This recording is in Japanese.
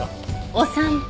お散歩。